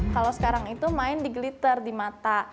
kalau sekarang itu main di glitter di mata